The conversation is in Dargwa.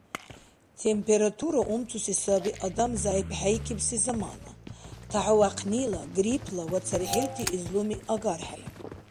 Температура умцуси саби адам зягӀипхӀейкибси замана, тяхӀувяхънила, гриппла ва цархӀилти излуми агархӀели.